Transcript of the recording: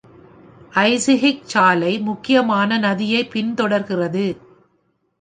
ஐசிஹிக் சாலை முக்கியமாக நதியைப் பின்தொடர்கிறது.